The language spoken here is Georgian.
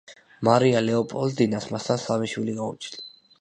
მარია ლეოპოლდინას მასთან სამი შვილი გაუჩნდა.